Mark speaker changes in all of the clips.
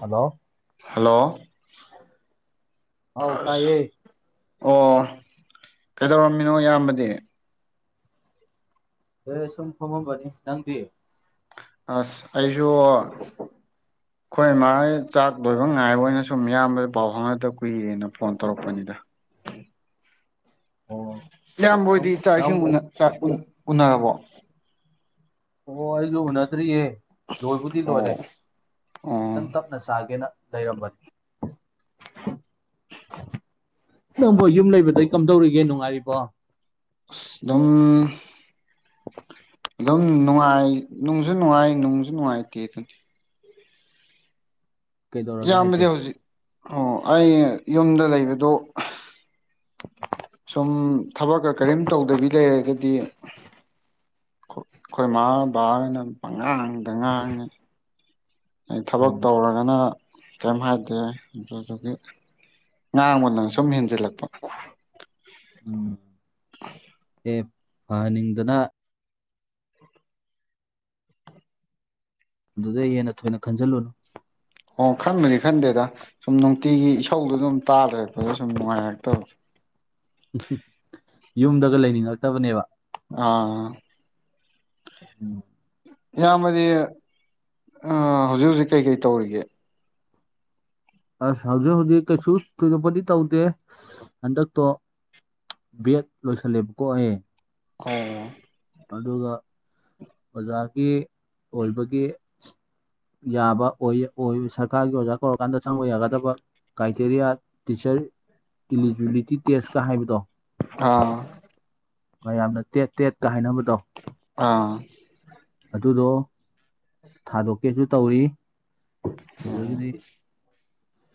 Speaker 1: hello
Speaker 2: hello
Speaker 1: ꯍꯥꯎ
Speaker 2: ꯑꯁ
Speaker 1: ꯀꯥꯏꯌꯦ
Speaker 2: ꯑꯣ ꯀꯩꯗꯧꯔꯝꯃꯤꯅꯣ ꯏꯌꯥꯝꯕꯗꯤ
Speaker 1: ꯑꯦ ꯁꯨꯝꯐꯝ ꯍꯕꯅꯤ ꯅꯪꯗꯤ
Speaker 2: ꯑꯁ ꯑꯩꯁꯨ ꯑꯩꯣꯏ ꯃꯥꯒꯤ ꯆꯥꯛ ꯂꯣꯏꯕ ꯉꯥꯏꯕ ꯑꯣꯏꯅ ꯁꯨꯝ ꯃꯤꯌꯥꯝꯕꯗ ꯄꯥꯎ ꯐꯥꯎꯅꯗꯕ ꯀꯨꯏꯔꯦꯅ ꯐꯣꯟ ꯇꯧꯔꯛꯄꯅꯤꯗ ꯎꯝ
Speaker 1: ꯑꯣ
Speaker 2: ꯏꯌꯥꯝꯕꯣꯏꯗꯤ
Speaker 1: ꯅꯪ
Speaker 2: ꯆꯥꯛ ꯏꯁꯤꯡ
Speaker 1: ꯅꯪꯕꯨ
Speaker 2: ꯎꯅꯔꯕꯣ
Speaker 1: ꯑꯣ ꯑꯩꯁꯨ ꯅꯠꯇꯔꯤꯌꯦꯦ ꯂꯣꯏꯕꯨꯗꯤ ꯂꯣꯏꯔꯦ
Speaker 2: ꯑꯣ ꯑꯣ
Speaker 1: ꯈꯤꯇꯪ ꯇꯞꯅ ꯆꯥꯒꯦꯅ ꯔꯝꯅꯤ ꯅꯪꯕꯨꯣ ꯌꯨꯝ ꯂꯩꯕꯗꯒꯤꯩ ꯀꯝꯗꯧꯔꯤꯒꯦ ꯅꯨꯡꯉꯥꯏꯔꯤꯕꯣ
Speaker 2: ꯑꯗꯨꯝ ꯑꯗꯨꯝ ꯅꯨꯡꯉꯥꯏ ꯅꯨꯡꯁꯨ ꯅꯨꯡꯉꯥꯏ ꯅꯨꯡꯁꯨ ꯅꯨꯡꯉꯥꯏꯇꯦ ꯑꯗꯨꯗꯤ
Speaker 1: ꯀꯩꯗꯧꯔꯒꯦ ꯍꯥꯏꯁꯦ
Speaker 2: ꯌꯥꯝꯕꯗꯤ ꯍꯧꯖꯤꯛ ꯑꯣ ꯑꯩ ꯌꯨꯝꯗ ꯂꯩꯕꯗ ꯁꯨꯝ ꯊꯕꯛꯀ ꯀꯔꯤꯝ ꯇꯧꯗꯕꯤ ꯂꯩꯔꯒꯗꯤ ꯑꯩꯈꯣꯏ ꯏꯃꯥ ꯕꯥꯅꯉꯥꯡꯗ ꯉꯥꯡꯉꯦ ꯑꯩ ꯊꯕꯛ
Speaker 1: ꯎꯝ
Speaker 2: ꯇꯧꯔꯒꯅ ꯀꯩꯝ ꯍꯥꯏꯗꯦ ꯑꯗꯨꯗꯨꯒꯤ ꯉꯥꯡꯕ ꯅꯪ ꯁꯨꯝ ꯍꯦꯟꯖꯤꯜꯂꯛꯄ
Speaker 1: ꯐꯅꯤꯡꯗꯅ ꯑꯗꯨꯗꯩ ꯍꯦꯟꯅ ꯊꯣꯏꯅ ꯈꯟꯖꯤꯜꯂꯨꯅꯨ
Speaker 2: ꯑꯣ ꯈꯟꯕꯗꯤ ꯈꯟꯗꯦꯗ ꯁꯨꯝ ꯅꯨꯡꯇꯤꯒꯤ ꯏꯁꯧꯗꯨ ꯑꯗꯨꯝ ꯇꯥꯗꯔꯛꯄꯗ ꯁꯨꯝ ꯅꯨꯡꯉꯥꯏꯔꯛꯇꯕ
Speaker 1: ꯌꯨꯝꯗꯒ ꯂꯩꯅꯤꯡꯉꯛꯇꯕꯅꯦꯕ
Speaker 2: ꯑꯥ
Speaker 1: ꯎꯝ
Speaker 2: ꯌꯥꯝꯃꯗꯤ ꯍꯧꯖꯤꯛ ꯍꯧꯖꯤꯛ ꯀꯩꯀꯩ ꯇꯧꯔꯤꯒꯦ
Speaker 1: ꯑꯁ ꯍꯧꯖꯤꯛ ꯍꯧꯖꯤꯛ ꯀꯩꯁꯨ ꯊꯣꯏꯗꯣꯛꯄꯗꯤ ꯇꯧꯗꯦ ꯍꯟꯗꯛꯇꯣ ꯕꯦꯠ ꯂꯣꯏꯁꯜꯂꯦꯕꯀꯣ ꯑꯦ
Speaker 2: ꯑꯣ
Speaker 1: ꯑꯗꯨꯒ ꯑꯣꯖꯥꯒꯤ ꯑꯣꯏꯕꯒꯤ ꯌꯥꯕ ꯑꯣꯏ ꯑꯣꯏ ꯁꯔꯀꯥꯔꯒꯤ ꯑꯣꯖꯥ ꯀꯧꯔꯀꯥꯟꯗ ꯆꯪꯕ ꯌꯥꯒꯗꯕ ꯀ꯭ꯔꯥꯏꯇꯦꯔꯤꯌꯥ ꯇꯆꯔ ꯏꯂꯤꯖꯤꯕꯤꯂꯤꯇꯤ ꯇꯦꯁꯀ ꯍꯥꯏꯕꯗꯣ
Speaker 2: ꯑꯥ
Speaker 1: ꯃꯌꯥꯝꯅ ꯇꯦꯠ ꯇꯦꯠꯀ ꯍꯥꯏꯅꯕꯗꯣ
Speaker 2: ꯑꯥ
Speaker 1: ꯑꯗꯨꯗꯣ ꯊꯥꯗꯣꯛꯀꯦꯁꯨ ꯇꯧꯔꯤ ꯑꯗꯨꯗꯒꯤꯗꯤ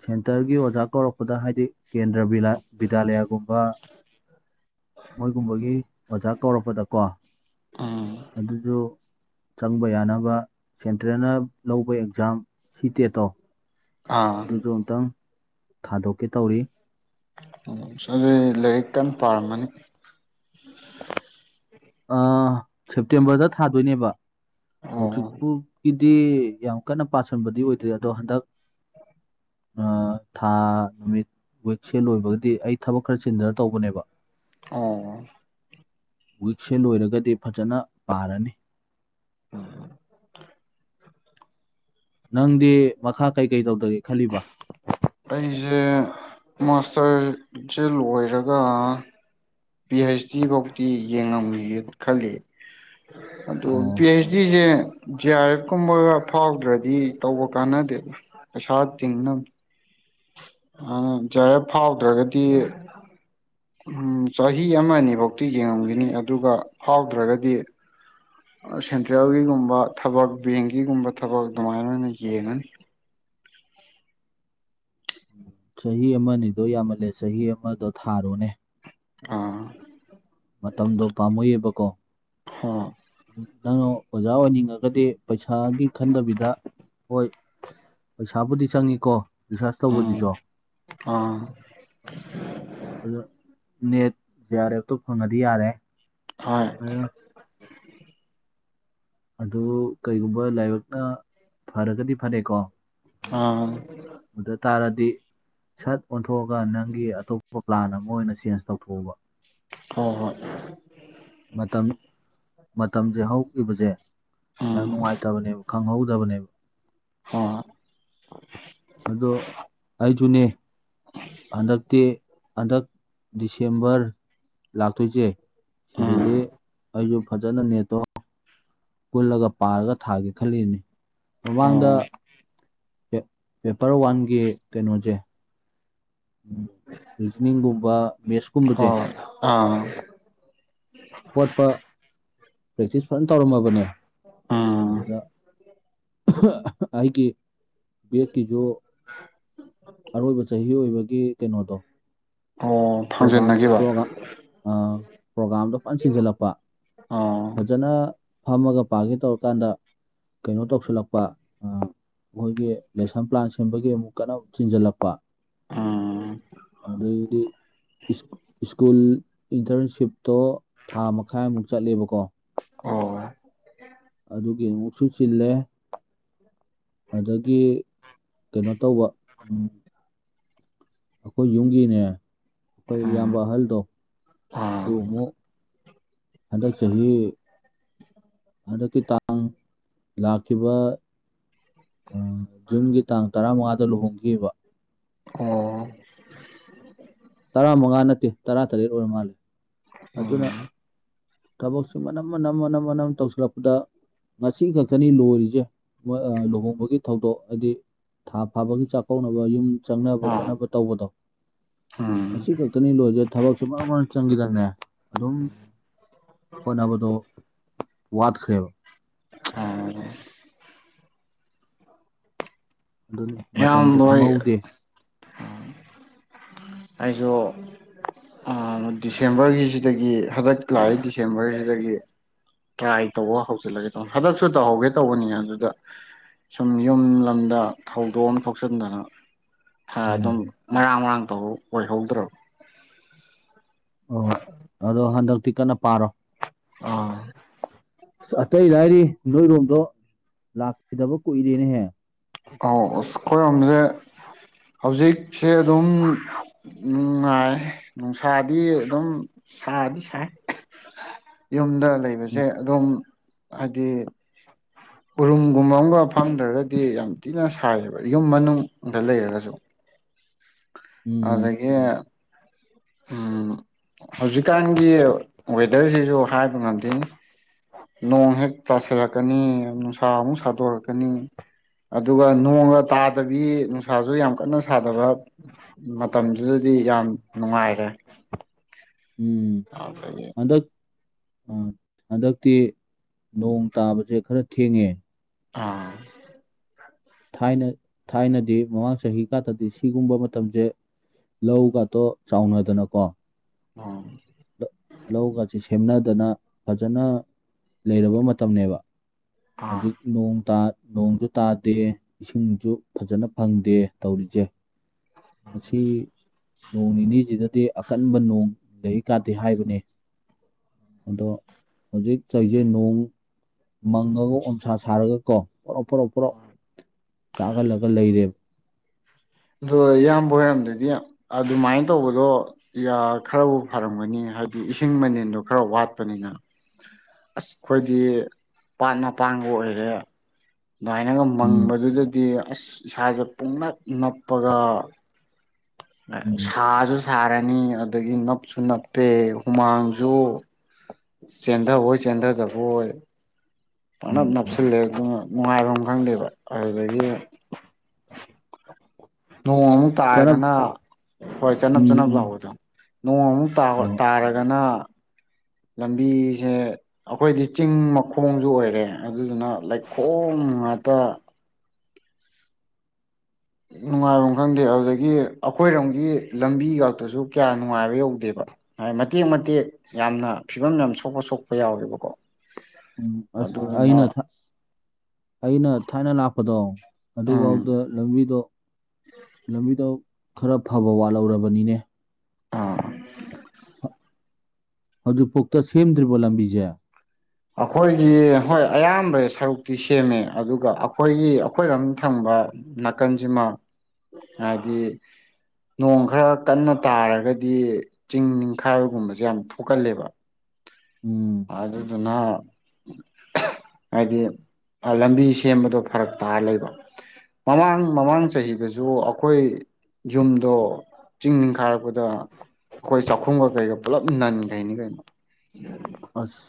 Speaker 1: ꯁꯦꯟꯇꯔꯒꯤ ꯑꯣꯖꯥ ꯀꯧꯔꯛꯄꯗ ꯍꯥꯏꯗꯤ ꯀꯦꯟꯗ꯭ꯔ ꯚꯕꯤꯗ꯭ꯌꯥꯂꯌꯥꯒꯨꯝꯕ ꯃꯣꯏꯒꯨꯝꯕꯒꯤ ꯑꯣꯖꯥ ꯀꯧꯔꯛꯄꯗꯀꯣ
Speaker 2: ꯎꯝ
Speaker 1: ꯑꯗꯨꯁꯨ ꯆꯪꯕ ꯌꯥꯅꯕ ꯁꯦꯟꯇ꯭ꯔꯦꯅ ꯂꯧꯕ ꯑꯦꯛꯖꯥꯝ ꯁꯤꯇꯦꯇꯣ
Speaker 2: ꯑꯥ
Speaker 1: ꯑꯗꯨꯗꯣ ꯑꯨꯛꯇꯪ ꯊꯥꯗꯣꯛꯀꯦ ꯇꯧꯔꯤ
Speaker 2: ꯎꯝ ꯑꯗꯨꯗꯤ ꯂꯥꯏꯔꯤꯛ ꯀꯟꯅ ꯄꯥꯔꯝꯃꯅꯤ
Speaker 1: ꯁꯦꯞꯇꯦꯝꯕꯔꯗ ꯊꯥꯗꯣꯏꯅꯦꯕ
Speaker 2: ꯑꯣ
Speaker 1: ꯍꯧꯖꯤꯛꯄꯨꯒꯤ ꯗꯤ ꯌꯥꯝ ꯀꯟꯅ ꯄꯥꯁꯣꯟꯕꯗꯤ ꯑꯣꯏꯗ꯭ꯔꯦ ꯑꯗꯣ ꯍꯟꯗꯛ ꯑ ꯊꯥ ꯅꯨꯃꯤꯠ ꯋꯦꯦꯛꯁꯦꯜ ꯂꯣꯏꯕꯒꯗꯤ ꯑꯩ ꯊꯕꯛ ꯈꯔ ꯆꯤꯟꯗꯅ ꯇꯧꯕꯅꯦꯕ
Speaker 2: ꯑꯣ
Speaker 1: ꯋꯤꯛꯁꯦ ꯂꯣꯏꯔꯒꯗꯤ ꯐꯖꯅ ꯄꯥꯔꯅꯤ
Speaker 2: ꯎꯝ
Speaker 1: ꯅꯪꯗꯤ ꯃꯈꯥ ꯀꯩꯀꯩ ꯇꯧꯗꯒꯦ ꯈꯜꯂꯤꯕ
Speaker 2: ꯑꯩꯁꯦ ꯃꯥꯁꯇꯔ ꯠ ꯂꯣꯏꯔꯒ ꯄꯤ ꯍꯩꯁ ꯗꯤ ꯐꯧꯗꯤꯤ ꯌꯦꯡꯉꯝꯒꯒꯦ ꯈꯜꯂꯤ ꯑꯗꯨꯣ
Speaker 1: ꯑꯣ
Speaker 2: ꯄꯤ ꯑꯩꯆ ꯗꯤꯁꯦ ꯖꯤ ꯑꯥꯔ ꯑꯦꯐ ꯀꯨꯝꯕꯒ ꯐꯥꯎꯗ꯭ꯔꯗꯤ ꯇꯧꯕ ꯀꯥꯟꯅꯗꯦꯕ ꯄꯩꯁꯥ ꯇꯤꯡꯅꯕ ꯑꯗꯨ ꯖꯔꯦ ꯐꯥꯎꯗ꯭ꯔꯒꯗꯤ ꯎꯝ ꯆꯍꯤ ꯑꯃ ꯑꯅꯤꯐꯧꯗꯤꯤ ꯌꯦꯡꯉꯝꯈꯤꯅꯤ ꯑꯗꯨꯒ ꯐꯥꯎꯗ꯭ꯔꯒꯗꯤ ꯁꯦꯟꯇ꯭ꯔꯦꯜꯒꯤꯒꯨꯝꯕ ꯊꯕꯛ ꯕꯦꯡꯀꯤꯒꯨꯝꯕ ꯊꯕꯛ ꯑꯗꯨꯃꯥꯏꯅ ꯑꯣꯏꯅ ꯌꯦꯡꯉꯅꯤ [unintelligible]
Speaker 1: ꯆꯍꯤ ꯑꯃꯅꯤꯅꯤꯗꯣ ꯌꯥꯝꯃꯜꯂꯦ ꯆꯍꯤ ꯑꯃꯗꯣ ꯊꯥꯔꯣꯅꯦ
Speaker 2: ꯑꯥ ꯍꯣꯏ ꯎꯝ
Speaker 1: ꯅ ꯑꯣꯖꯕꯅꯤꯉ ꯒꯗꯤ ꯄꯩꯁꯥꯒꯤ ꯈꯟꯗꯕꯤꯗ ꯍꯣꯏ ꯄꯩꯁꯥꯕꯨꯗꯤ ꯆꯪꯉꯤꯀꯣ ꯔꯤꯁꯥꯔꯁ
Speaker 2: ꯎꯝ
Speaker 1: ꯇꯧꯕꯁꯤꯁꯨ
Speaker 2: ꯑꯥ
Speaker 1: ꯑꯗꯨ ꯅꯦꯠꯁꯦ ꯂꯦꯞꯇꯣꯞ ꯐꯪꯉꯗꯤ ꯌꯥꯔꯦ
Speaker 2: ꯍꯣꯏ
Speaker 1: ꯑꯗꯨꯅ ꯑꯗꯨ ꯀꯩꯒꯨꯝꯕ ꯂꯥꯏꯕꯛꯅ ꯐꯔꯒꯗꯤ ꯐꯅꯩꯀꯣ
Speaker 2: ꯑꯥ
Speaker 1: ꯗꯤ ꯁꯠ ꯑꯣꯟꯊꯣꯛꯑꯒ ꯅꯪꯒꯤ ꯑꯇꯣꯞꯄ ꯄ꯭ꯂꯥꯟ ꯑꯃ ꯑꯣꯏꯅ ꯆꯦꯟꯖ ꯇꯧꯊꯣꯛꯎꯕ
Speaker 2: ꯍ ꯍꯣꯏ
Speaker 1: ꯃꯇꯝ ꯃꯇꯝꯁꯦ ꯍꯧꯈꯤꯕꯁꯦ ꯌꯥꯝ ꯅꯨꯡꯉꯥꯏꯇꯕꯅꯦꯕ ꯈꯪꯍꯧꯗꯕꯅꯦꯕ
Speaker 2: ꯍ
Speaker 1: ꯑꯗꯣ ꯑꯩꯁꯨꯅꯦ ꯍꯟꯗꯛꯇꯤ ꯍꯟꯗꯛ ꯗꯤꯁꯦꯝꯕꯔ ꯂꯥꯛꯇꯣꯏꯁꯦ
Speaker 2: ꯎꯝ
Speaker 1: ꯁꯤꯗꯗꯤ ꯑꯩꯁꯨ ꯐꯖꯅ ꯅꯦꯠꯇꯣ ꯀꯜꯂꯒ ꯄꯥꯔꯒ ꯊꯥꯒꯦ ꯈꯜꯂꯤꯅꯤ ꯃꯃꯥꯡꯗ
Speaker 2: ꯍꯣꯏ
Speaker 1: ꯄꯦꯄꯔ ꯋꯥꯟꯒꯤ ꯀꯩꯅꯣꯁꯦ ꯎꯝ ꯔꯤꯖꯅꯤꯡꯒꯨꯝꯕ ꯃꯦꯠꯁꯀꯨꯝꯕꯁꯦ
Speaker 2: ꯍꯣꯏ ꯑꯥ
Speaker 1: ꯈꯣꯠꯄ ꯄ꯭ꯔꯦꯛꯇꯤꯁ ꯐꯖꯅ ꯇꯧꯔꯝꯃꯕꯅꯦ
Speaker 2: ꯎꯝ
Speaker 1: ꯍꯗ ꯍꯥꯏꯒꯤ ꯕꯠꯀꯤꯁꯨ ꯑꯔꯣꯏꯕ ꯆꯍꯤ ꯑꯣꯏꯕꯒꯤ ꯀꯩꯅꯣꯗꯣ
Speaker 2: ꯑꯣ
Speaker 1: ꯒꯥꯝꯣꯒꯥꯝ
Speaker 2: ꯐꯪꯖꯟꯅꯈꯤꯕ
Speaker 1: ꯑ ꯄ꯭ꯔꯣꯒꯥꯝꯗꯣ ꯐꯅ ꯁꯤꯟꯖꯜꯂꯛꯄ
Speaker 2: ꯑꯣ
Speaker 1: ꯐꯖꯅ ꯐꯝꯃꯒ ꯄꯥꯒꯦ ꯇꯧꯔꯀꯥꯟꯗ ꯀꯩꯅꯣ ꯇꯧꯁꯤꯜꯂꯛꯄ ꯑ ꯃꯈꯣꯏꯒꯤ ꯂꯦꯁꯟ ꯄ꯭ꯂꯥꯟ ꯁꯦꯝꯕꯒꯤ ꯑꯃꯨꯛ ꯀꯟꯅ ꯑꯃꯨꯛ ꯆꯤꯟꯁꯤꯜꯂꯛꯄ
Speaker 2: ꯎꯝ
Speaker 1: ꯑꯗꯒꯤꯗꯤ ꯁ꯭ꯀꯨꯜ ꯏꯟꯇꯔꯟꯁꯤꯞ ꯇꯣ ꯊꯥ ꯃꯈꯥꯏꯃꯨꯛ ꯆꯠꯂꯦꯕꯀꯣ
Speaker 2: ꯑꯣ
Speaker 1: ꯑꯗꯨꯒꯤ ꯑꯃꯨꯛꯁꯨ ꯆꯤꯜꯂꯦ ꯑꯗꯒꯤ ꯀꯩꯅꯣ ꯇꯧꯕ ꯎ ꯑꯩꯈꯣꯏ ꯌꯨꯝꯒꯤꯅꯦ ꯑꯩꯈꯣꯏ ꯏꯌꯥꯝꯕ
Speaker 2: ꯎꯝ
Speaker 1: ꯑꯍꯜꯗꯣ ꯑꯗꯨ
Speaker 2: ꯑꯥ
Speaker 1: ꯑꯃꯨꯛ ꯍꯟꯗꯛ ꯆꯍꯤ ꯍꯟꯗꯛꯀꯤ ꯇꯥꯡ ꯂꯥꯛꯈꯤꯕ ꯖꯨꯟꯒꯤ ꯇꯥꯡ ꯇꯔꯥꯃꯉꯥꯗ ꯂꯨꯍꯣꯡꯈꯤꯕ
Speaker 2: ꯑꯣ
Speaker 1: ꯇꯔꯥꯃꯉꯥ ꯅꯠꯇꯦ ꯇꯔꯥꯇꯔꯦꯠ ꯑꯣꯏꯔ ꯃꯥꯜꯂꯦ ꯑꯗꯨꯅ
Speaker 2: ꯎꯝ
Speaker 1: ꯊꯕꯛꯁꯤꯦ ꯃꯅꯝ ꯃꯅꯝ ꯃꯅꯝ ꯃꯅꯝ ꯇꯧꯁꯤꯜꯂꯛꯄꯗ ꯉꯁꯤ ꯈꯛꯇꯅꯤ ꯂꯣꯏꯔꯤꯁꯦ ꯂꯨꯍꯣꯡꯕꯒꯤ ꯊꯧꯗꯣꯛ ꯍꯥꯏꯗꯤ ꯊꯥ ꯐꯥꯕꯒꯤ ꯆꯥꯛꯀꯧꯅꯕ ꯌꯨꯝ ꯆꯪꯅꯕ
Speaker 2: ꯑꯥ
Speaker 1: ꯈꯣꯠꯅꯕ ꯇꯧꯕꯗꯣ
Speaker 2: ꯎꯝ
Speaker 1: ꯉꯁꯤ ꯈꯛꯇꯅꯤ ꯂꯣꯏꯁꯦ ꯊꯕꯛꯁꯨ ꯃꯔ ꯃꯔꯅ ꯆꯪꯈꯤꯗꯅꯦ ꯑꯗꯨꯝ ꯍꯣꯠꯅꯕꯗꯣ ꯋꯥꯠꯈ꯭ꯔꯦꯕ
Speaker 2: ꯑ
Speaker 1: ꯑꯗꯨꯅꯤ ꯃꯇꯝꯁꯦ
Speaker 2: ꯏꯌꯥꯝꯕ ꯍꯣꯏ
Speaker 1: ꯈꯪꯍꯧꯗꯦ
Speaker 2: ꯑꯩꯁꯨ ꯗꯤꯁꯦꯝꯕꯔꯒꯤꯁꯤꯗꯒꯤ ꯍꯟꯗꯛ ꯂꯥꯛꯏ ꯗꯤꯁꯦꯝꯕꯔꯁꯤꯗꯒꯤ ꯇ꯭ꯔꯥꯏ ꯇꯧꯕ ꯍꯧꯖꯤꯜꯂꯒꯦ ꯇꯧꯕꯅꯤ ꯍꯟꯗꯛꯁꯨ ꯇꯧꯍꯧꯒꯦ ꯇꯧꯕꯅꯤ ꯑꯗꯨꯗ ꯁꯨꯝ ꯌꯨꯝ ꯂꯝꯗ ꯊꯧꯗꯣꯛ ꯑꯃ ꯊꯣꯛꯆꯟꯗꯅ
Speaker 1: ꯎꯝ
Speaker 2: ꯑꯗꯨꯝ ꯃꯔꯥꯡ ꯃꯔꯥꯡ ꯇ ꯑꯣꯏꯍꯧꯗ꯭ꯔꯕ
Speaker 1: ꯍꯣꯏ ꯍꯣꯏ
Speaker 2: [unintelligible]
Speaker 1: ꯑꯗꯣ ꯍꯟꯗꯛꯇꯤ ꯀꯟꯅ ꯄꯥꯔꯣ
Speaker 2: ꯑꯥ
Speaker 1: ꯑ ꯑꯇꯩ ꯂꯔꯤ ꯅꯗꯣꯏꯔꯣꯝꯗꯣ ꯂꯥꯛꯈꯤꯗꯕ ꯀꯨꯏꯔꯦꯅꯦꯍꯦ
Speaker 2: ꯑꯥꯎꯈꯣꯏꯝꯁꯦ ꯍꯧꯖꯤꯛꯁꯦ ꯑꯗꯨꯝ ꯅꯨꯡꯉꯥꯏ ꯅꯨꯡꯁꯥꯗꯤ ꯑꯗꯨꯝ ꯁꯥꯗꯤ ꯁꯥꯏ ꯌꯨꯝꯗ ꯂꯩꯕꯁꯦ ꯑꯗꯨꯝ ꯍꯥꯏꯗꯤ ꯎꯔꯨꯝꯒꯨꯝꯕ ꯑꯃꯒ ꯐꯪꯗ꯭ꯔꯒꯗꯤ ꯌꯥꯝ ꯊꯤꯅ ꯁꯥꯏꯌꯦꯕ ꯌꯨꯝ ꯃꯅꯨꯡꯗ ꯂꯩꯔꯒꯁꯨ
Speaker 1: ꯎꯝ
Speaker 2: ꯑꯗꯨꯗꯒꯤ ꯎꯝ ꯍꯧꯖꯤꯛꯀꯥꯟꯒꯤ ꯋꯦꯗꯔꯁꯤꯁꯨ ꯍꯥꯏꯕ ꯉꯝꯗꯦ ꯅꯣꯡ ꯍꯦꯛ ꯇꯥꯁꯤꯜꯂꯛꯀꯅꯤ ꯅꯨꯡꯁꯥ ꯑꯃꯨꯛ ꯁꯥꯗꯣꯔꯛꯀꯅꯤ ꯑꯗꯨꯒ ꯅꯣꯡꯒ ꯇꯥꯗꯕꯤ ꯅꯨꯡꯁꯥꯁꯨ ꯌꯥꯝ ꯀꯟꯅ ꯁꯥꯗꯕ ꯃꯇꯝꯗꯨꯗ ꯌꯥꯝ ꯅꯨꯡꯉꯥꯏꯔꯦ
Speaker 1: ꯎꯝ
Speaker 2: ꯑꯗꯨꯗꯒꯤ
Speaker 1: ꯍꯟꯗꯛ ꯑ ꯍꯟꯗꯛꯇꯤ ꯅꯣꯡ ꯇꯥꯕꯁꯦ ꯈꯔ ꯊꯦꯡꯉꯦ
Speaker 2: ꯑꯥ
Speaker 1: ꯊꯥꯏꯅ ꯊꯥꯏꯅꯗꯤ ꯃꯃꯥꯡ ꯆꯍꯤ ꯈꯛꯇꯗꯤ ꯁꯤꯒꯨꯝꯕ ꯃꯇꯝꯁꯦ ꯂꯧꯒꯛꯇꯣ ꯆꯥꯎꯅꯗꯅꯀꯣ
Speaker 2: ꯑ
Speaker 1: ꯂꯧꯒꯁꯤ ꯁꯦꯝꯅꯗꯅ ꯐꯖꯅ ꯂꯩꯔꯕ ꯃꯇꯝꯅꯦꯕ
Speaker 2: ꯑꯥ
Speaker 1: ꯍꯧꯖꯤꯛ ꯅꯣꯡ ꯇꯥ ꯅꯣꯡꯁꯨ ꯇꯥꯗꯦ ꯏꯁꯤꯡꯁꯨ ꯐꯖꯅ ꯐꯪꯗꯦ ꯇꯧꯔꯤꯁꯦ ꯃꯁꯤ ꯅꯣꯡ ꯅꯤꯅꯤꯁꯤꯗꯗꯤ ꯑꯀꯟꯕ ꯅꯣꯡ ꯂꯩ ꯀꯥꯗꯦ ꯍꯥꯏꯕꯅꯤ ꯑꯗꯣ ꯍꯧꯖꯤꯛ ꯂꯩꯁꯦ ꯅꯣꯡ ꯃꯪꯉꯒ ꯑꯣꯟꯁꯥ ꯁꯥꯔꯒ ꯀꯣ ꯄꯨꯂꯞ ꯄꯨꯂꯞ ꯄꯨꯂꯞ ꯆꯥꯍꯜꯂꯒ ꯂꯩꯔꯦꯕ
Speaker 2: ꯑꯗꯣ ꯏꯌꯥꯝꯕ ꯍꯔꯝꯗꯗꯤ ꯑꯗꯨꯃꯥꯏꯅ ꯇꯧꯕꯗꯣ ꯈꯔꯕꯨ ꯐꯔꯝꯒꯅꯤ ꯍꯥꯏꯕꯗꯤ ꯏꯁꯤꯡ ꯃꯅꯦꯟꯗꯣ ꯈꯔ ꯋꯥꯠꯄꯅꯤꯅ ꯑꯁ ꯑꯩꯈꯣꯏꯗꯤ ꯄꯥꯠ ꯃꯄꯥꯡꯕ ꯑꯣꯏꯔꯦ ꯑꯗꯨꯃꯥꯏꯅꯒ
Speaker 1: ꯎꯝ
Speaker 2: ꯃꯪꯕꯗꯨꯗꯗꯤ ꯑꯁ ꯏꯁꯥꯁꯦ ꯄꯨꯡꯂꯞ ꯅꯞꯄꯒ
Speaker 1: ꯎꯝ
Speaker 2: ꯁꯥꯖ ꯁꯥꯔꯅꯤ ꯑꯗꯨꯗꯒꯤ ꯅꯞꯁꯨ ꯅꯞꯄꯦ ꯍꯨꯃꯥꯡꯁꯨ ꯆꯦꯟꯊ ꯑꯣꯏꯣꯏ ꯆꯦꯟꯊ ꯊꯕ ꯑꯣꯏꯣꯏ ꯄꯅꯞ
Speaker 1: ꯎꯝ
Speaker 2: ꯅꯞꯁꯤꯜꯂꯦ ꯑꯗꯨ ꯅꯨꯡꯉꯥꯏꯐꯝ ꯈꯪꯗꯦꯕ ꯑꯗꯨꯗꯒꯤ ꯅꯣꯡꯃꯨꯛ
Speaker 1: ꯆꯔꯞ
Speaker 2: ꯇꯥꯔꯒꯅ ꯍꯣꯏ ꯆꯅꯞ
Speaker 1: ꯎꯝ
Speaker 2: ꯆꯅꯞ
Speaker 1: ꯎꯝ ꯍꯣꯏ
Speaker 2: ꯂꯥꯛꯑꯣꯗꯝ ꯅꯣꯡꯃꯨꯛ
Speaker 1: ꯍꯣꯏ
Speaker 2: ꯇꯥꯔꯒꯅ ꯂꯝꯕꯤꯁꯦ ꯑꯩꯈꯣꯏꯗꯤ ꯆꯤꯡ ꯃꯈꯣꯡꯁꯨ ꯑꯣꯏꯔꯦ ꯑꯗꯨꯗꯨꯅ ꯂꯩꯈꯣꯡ ꯎꯝ ꯑꯇ ꯅꯨꯡꯉꯥꯏꯕꯝ ꯈꯪꯗꯦ ꯑꯗꯨꯗꯒꯤ ꯑꯩꯈꯣꯏꯔꯣꯝꯒꯤ ꯂꯝꯕꯤ ꯈꯥꯛꯇꯁꯨ ꯀꯌꯥ ꯅꯨꯡꯉꯥꯏꯕ ꯌꯧꯗꯦꯕ ꯃꯇꯦꯛ ꯃꯇꯦꯛ ꯌꯥꯝꯅ ꯐꯤꯕꯝ ꯌꯥꯝ ꯁꯣꯛꯄ ꯁꯣꯛꯄ ꯌꯥꯎꯋꯦꯕꯀꯣ
Speaker 1: ꯎꯝ ꯑꯁ ꯑꯩꯅ
Speaker 2: ꯑꯗꯨꯗꯨꯅ
Speaker 1: ꯑꯩꯅ ꯊꯥꯏꯅ ꯂꯥꯛꯄꯗꯣ
Speaker 2: ꯎꯝ
Speaker 1: ꯑꯗꯨꯐꯥꯎꯗ ꯂꯝꯕꯤꯗꯣ ꯂꯝꯕꯤꯗ ꯈꯔ ꯐꯕ ꯋꯥꯠꯍꯧꯔꯕꯅꯤꯅꯦ
Speaker 2: ꯑꯥ
Speaker 1: ꯍꯗꯨ ꯄꯣꯛꯛꯇ ꯊꯃꯦꯗ꯭ꯔꯔꯤꯕꯣꯂꯝ ꯕꯤꯖꯌꯥ
Speaker 2: ꯑꯩꯈꯣꯏꯒꯤ ꯍꯣꯏ ꯑꯌꯥꯝꯕ ꯁꯔꯨꯛꯇꯤ ꯁꯦꯝꯃꯦ ꯑꯗꯨꯒ ꯑꯩꯈꯣꯏꯒꯤ ꯑꯩꯈꯣꯏꯅꯝ ꯊꯪꯕ ꯅꯥꯀꯟꯁꯤꯃ ꯍꯥꯏꯗꯤ ꯅꯣꯡ ꯈꯔ ꯀꯟꯅ ꯇꯥꯔꯒꯗꯤ ꯆꯤꯡ ꯅꯤꯡꯈꯥꯏꯕꯒꯨꯝꯕꯁꯦ ꯌꯥꯝ ꯊꯣꯛꯀꯜꯂꯦꯕ
Speaker 1: ꯎꯝ
Speaker 2: ꯑꯗꯨꯗꯨꯅ ꯍꯥꯏꯗꯤ ꯂꯝꯕꯤ ꯁꯦꯝꯕꯗꯣ ꯐꯔꯛ ꯇꯥꯔ ꯂꯩꯕ ꯃꯃꯥꯡ ꯃꯃꯥꯡ ꯆꯍꯤꯗꯁꯨ ꯑꯩꯈꯣꯏ ꯌꯨꯝꯗꯣ ꯆꯤꯡ ꯅꯤꯡꯈꯥꯔꯛꯄꯗ ꯑꯩꯈꯣꯏ ꯆꯥꯛꯈꯨꯝꯒ ꯀꯩꯒ ꯄꯨꯜꯂꯞ ꯅꯟꯈꯩꯅꯤ ꯀꯩꯅꯣ
Speaker 1: ꯑꯁ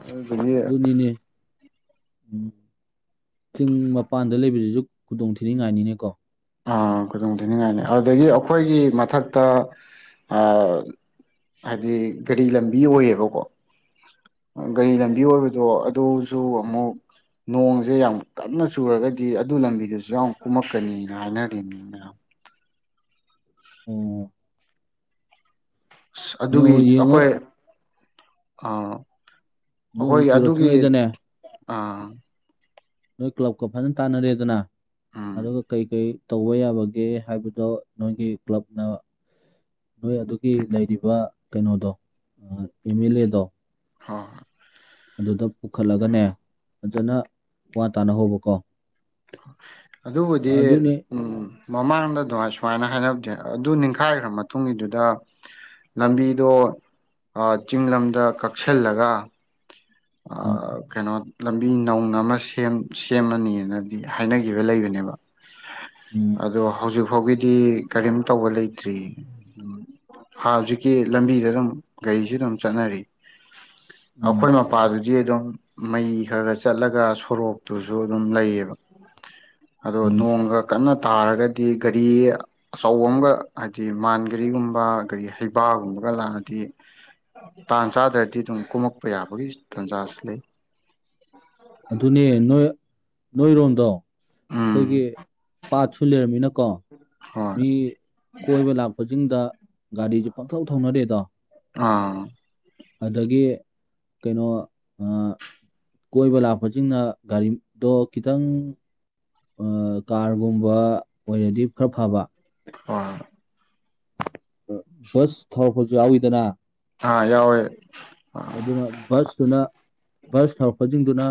Speaker 2: ꯑꯗꯨ ꯑꯗꯨꯒꯤ
Speaker 1: ꯑꯗꯨꯅꯤꯅꯦ ꯎꯝ ꯆꯤꯡ ꯃꯄꯥꯟꯗ ꯂꯩꯕꯁꯤꯁꯨ ꯈꯨꯗꯣꯡ ꯊꯤꯅꯤꯡꯉꯥꯏꯅꯤꯅꯦꯀꯣ
Speaker 2: ꯥ ꯈꯨꯗꯣꯡ ꯊꯤꯅꯤꯡꯉꯥꯏꯅꯤ
Speaker 1: ꯑꯁ
Speaker 2: ꯑꯗꯨꯗꯒꯤ ꯑꯩꯈꯣꯏꯒꯤ ꯃꯊꯛꯇ ꯍꯥꯏꯗꯤ ꯒꯥꯔꯤ ꯂꯝꯕꯤ ꯑꯣꯏꯌꯦꯕꯀꯣ ꯒꯥꯔꯤ ꯂꯝꯕꯤ ꯑꯣꯏꯕꯗꯣ ꯑꯗꯨꯁꯨ ꯑꯃꯨꯛ ꯅꯣꯡꯁꯦ ꯌꯥꯝ ꯇꯟꯅ ꯆꯨꯔꯒꯗꯤ ꯑꯗꯨ ꯂꯝꯕꯤꯗꯨꯁꯨ ꯌꯥꯝ ꯀꯨꯝꯃꯛꯀꯅꯤꯅ ꯍꯥꯏꯅꯔꯤꯕꯅꯤ ꯃꯌꯥꯝ ꯑ ꯑꯗꯨꯒꯤ
Speaker 1: ꯑꯣ ꯌꯦꯡꯉꯣ
Speaker 2: ꯑꯩꯈꯣꯏ ꯑ
Speaker 1: ꯅꯣꯡ
Speaker 2: ꯑꯩꯈꯣꯏ ꯑꯗꯨꯒꯤ
Speaker 1: ꯆꯨꯔꯛꯇ꯭ꯔꯤꯉꯩꯗꯅꯦ
Speaker 2: ꯑꯥ
Speaker 1: ꯅꯣꯏ ꯀ꯭ꯂꯕꯀ ꯐꯖꯅ ꯇꯥꯟꯅꯔꯦꯗꯅ
Speaker 2: ꯎꯝ
Speaker 1: ꯑꯗꯨꯒ ꯀꯩ ꯀꯩ ꯇꯧꯕ ꯌꯥꯕꯒꯦ ꯍꯥꯏꯕꯗꯣ ꯅꯣꯏꯒꯤ ꯀ꯭ꯂꯕꯅ ꯅꯣꯏ ꯑꯗꯨꯒꯤ ꯂꯩꯔꯤꯕ ꯀꯩꯅꯣꯗꯣ ꯑꯦꯝ ꯑꯦꯜ ꯑꯦꯗꯣ
Speaker 2: ꯍꯣꯏ
Speaker 1: ꯑꯗꯨꯗ ꯄꯨꯈꯠꯂꯒꯅꯦ ꯐꯖꯅ ꯋꯥ ꯇꯥꯅꯍꯧꯕꯀꯣ
Speaker 2: ꯑꯗꯨꯕꯨꯗꯤ ꯎꯝ ꯃꯃꯥꯡꯗ ꯑꯗꯨꯃꯥꯏ ꯁꯨꯃꯥꯏꯅ ꯍꯥꯏꯅꯗꯦ ꯑꯗꯨ ꯅꯤꯡꯈꯥꯏꯈ꯭ꯔ ꯃꯇꯨꯡꯒꯤꯗꯨꯗ ꯂꯝꯕꯤꯗꯣ ꯆꯤꯡ ꯂꯝꯗ ꯀꯛꯁꯤꯜꯂꯒ
Speaker 1: ꯎꯝ
Speaker 2: ꯀꯩꯅꯣ ꯂꯝꯕꯤ ꯅꯧꯅ ꯑꯃ ꯁꯦꯝꯃꯅꯤꯅ ꯍꯥꯏꯅꯈꯤꯕ ꯂꯩꯕꯅꯦꯕ
Speaker 1: ꯎꯝ
Speaker 2: ꯑꯣ ꯍꯧꯖꯤꯛ ꯐꯥꯎꯒꯤꯗꯤ ꯀꯔꯤꯝ ꯇꯧꯕ ꯂꯩꯇ꯭ꯔꯤ ꯍꯥꯟ ꯍꯧꯖꯤꯛꯀꯤ ꯂꯝꯕꯤꯗ ꯑꯗꯨꯝ ꯒꯥꯔꯤꯁꯨ ꯑꯗꯨꯝ ꯆꯠꯅꯔꯤ
Speaker 1: ꯎꯝ
Speaker 2: ꯑꯩꯈꯣꯏ ꯃꯄꯥꯗꯨꯗꯤ ꯑꯗꯨꯝ ꯃꯩ ꯈꯔ ꯈꯔ ꯆꯠꯂꯒ ꯁꯣꯔꯣꯛꯇꯨꯁꯨ ꯑꯗꯨꯝ ꯂꯩꯌꯦꯕ ꯑꯗꯣ
Speaker 1: ꯎꯝ
Speaker 2: ꯅꯣꯡꯒ ꯀꯟꯅ ꯇꯥꯔꯒꯗꯤ ꯒꯥꯔꯤ ꯑꯆꯧꯕ ꯑꯃꯒ ꯍꯥꯏꯗꯤ ꯃꯥꯟ ꯒꯥꯔꯤꯒꯨꯝꯕ ꯒꯥꯔꯤ ꯍꯩꯕꯒꯨꯝꯕ ꯑꯗꯨꯒ ꯂꯥꯛꯑꯗꯤ ꯇꯥꯡ ꯆꯥꯗ꯭ꯔꯗꯤ ꯑꯗꯨꯝ ꯀꯨꯝꯝꯃꯛꯄ ꯌꯥꯕꯒꯤ ꯇꯥꯟꯖꯥꯁꯨ ꯂꯩ ꯎ
Speaker 1: ꯑꯗꯨꯅꯦ ꯅꯣꯏ ꯅꯣꯏꯔꯣꯝꯗꯣ
Speaker 2: ꯎꯝ
Speaker 1: ꯑꯩꯈꯣꯏꯒꯤ ꯄꯥꯠꯁꯨ ꯂꯩꯔꯝꯃꯤꯅꯀꯣ
Speaker 2: ꯍꯣꯏ
Speaker 1: ꯃꯤ ꯀꯣꯏꯕ ꯂꯥꯛꯄꯁꯤꯡꯗ ꯒꯥꯔꯤꯁꯦ ꯄꯪꯊꯧꯊꯧ ꯊꯧꯅꯔꯦꯗꯣ
Speaker 2: ꯑꯥ
Speaker 1: ꯑꯗꯒꯤ ꯀꯩꯅꯣ ꯀꯣꯏꯕ ꯂꯥꯛꯄꯁꯤꯡꯅ ꯒꯥꯔꯤꯗꯣ ꯈꯤꯇꯪ ꯀꯥꯔꯒꯨꯝꯕ ꯑꯣꯏꯔꯗꯤ ꯈꯔ ꯐꯕ
Speaker 2: ꯍ
Speaker 1: ꯕꯁ ꯊꯔꯛ ꯐꯥꯎꯁꯨ ꯌꯥꯎꯋꯤꯗꯅ
Speaker 2: ꯍꯥꯥ ꯌꯥꯎꯋꯦ
Speaker 1: ꯑꯗꯨꯅ ꯕꯁꯇꯨꯅ ꯕꯁ ꯊꯧꯔꯛꯄꯁꯤꯡꯗꯨꯅ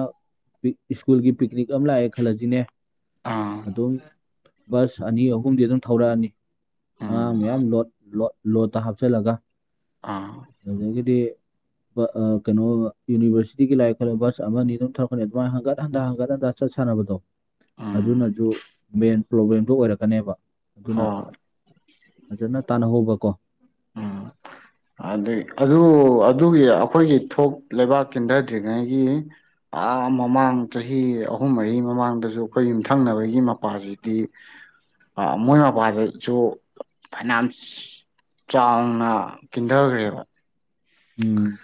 Speaker 1: ꯁ꯭ꯀꯨꯜꯒꯤ ꯄꯤꯛꯅꯤꯛ ꯑꯃ ꯂꯥꯛꯑꯦ ꯈꯜꯂꯁꯤꯅꯦ
Speaker 2: ꯑꯥ
Speaker 1: ꯑꯗꯨꯝ ꯕꯁ ꯑꯅꯤ ꯑꯍꯨꯝꯗꯤ ꯑꯗꯨꯝ ꯊꯧꯔꯛꯑꯅꯤ ꯑꯉꯥꯡ
Speaker 2: ꯎꯝ
Speaker 1: ꯃꯌꯥꯝꯣ ꯂꯣꯠꯇ ꯍꯥꯞꯆꯤꯜꯂꯒ
Speaker 2: ꯑꯥ
Speaker 1: ꯑꯗꯨꯗꯒꯤꯗꯤ ꯀꯩꯅꯣ ꯌꯨꯅꯤꯚꯔꯁꯤꯇꯤꯒꯤ ꯂꯥꯏꯔꯤ ꯈꯠꯂꯕ ꯕꯁ ꯑꯃꯅꯤ ꯑꯗꯨꯝ ꯊꯧꯛꯅꯤ ꯑꯗꯨꯃꯥꯏꯅ ꯍꯪꯒꯠ ꯍꯟꯊ ꯍꯒꯠ ꯍꯟꯊ ꯄꯠꯆꯠ ꯁꯥꯟꯅꯕꯗꯣ
Speaker 2: ꯎꯝ
Speaker 1: ꯑꯗꯨꯅꯁꯨ ꯃꯦꯟ ꯄ꯭ꯔꯣꯕ꯭ꯂꯦꯝꯗꯨꯣ ꯑꯣꯏꯔꯛꯀꯅꯦꯕ ꯑꯗꯨꯅ
Speaker 2: ꯍꯣꯏ
Speaker 1: ꯐꯖꯅ ꯇꯥꯟꯅꯍꯧꯕꯀꯣ
Speaker 2: ꯑꯗꯒꯤ ꯑꯗꯨ ꯑꯗꯨꯒꯤ ꯑꯩꯈꯣꯏꯒꯤ ꯊꯣꯛ ꯂꯩꯕꯥꯛ ꯀꯤꯟꯊꯗ꯭ꯔꯤꯉꯩꯒꯤ ꯃꯃꯥꯡ ꯆꯍꯤ ꯑꯍꯨꯝ ꯃꯔꯤ ꯃꯃꯥꯡꯗꯁꯨ ꯑꯩꯈꯣꯏ ꯌꯨꯝꯊꯪꯅꯕꯒꯤ ꯃꯄꯥꯁꯤꯗꯤ ꯃꯣꯏ ꯃꯄꯥꯗꯁꯨ ꯐꯥꯏꯅꯥꯟꯁ ꯆꯥꯎꯅ ꯀꯤꯤꯟꯗꯕ ꯀꯔꯤꯗ
Speaker 1: ꯎꯝ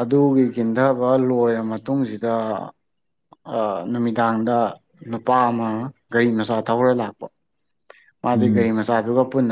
Speaker 2: ꯑꯗꯨꯒꯤ ꯀꯤꯟꯊꯕ ꯂꯣꯏꯔ ꯃꯇꯨꯡꯁꯤꯗ ꯅꯨꯃꯤꯗꯥꯡꯗ ꯅꯨꯄꯥ ꯑꯃ ꯒꯥꯔꯤ ꯃꯆꯥ ꯊꯧꯔ ꯂꯥꯛꯄ
Speaker 1: ꯎꯝ
Speaker 2: ꯃꯥꯗꯤ ꯦ ꯃ ꯆ ꯑꯗꯨꯒ ꯄꯨꯟꯅ